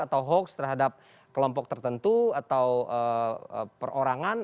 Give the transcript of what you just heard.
atau hoax terhadap kelompok tertentu atau perorangan